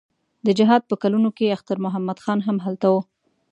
د جهاد په کلونو کې اختر محمد خان هم هلته و.